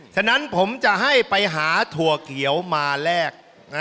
ฉะนั้นผมจะให้ไปหาถั่วเขียวมาแลก